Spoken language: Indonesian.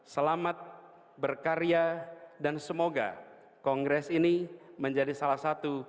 selamat berkarya dan semoga kongres ini menjadi salah satu